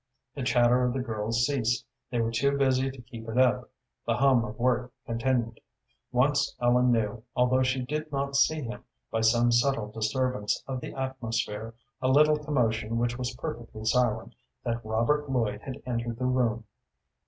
The chatter of the girls ceased. They were too busy to keep it up. The hum of work continued. Once Ellen knew, although she did not see him, by some subtle disturbance of the atmosphere, a little commotion which was perfectly silent, that Robert Lloyd had entered the room.